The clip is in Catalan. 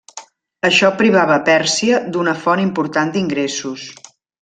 Això privava a Pèrsia d'una font important d'ingressos.